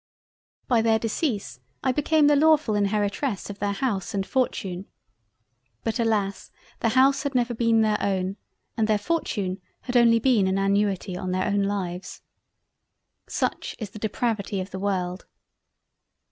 By their decease I became the lawfull Inheritress of their House and Fortune. But alas! the House had never been their own and their Fortune had only been an Annuity on their own Lives. Such is the Depravity of the World!